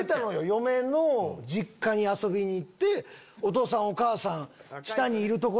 嫁の実家に遊びに行ってお義父さんお義母さん下にいる所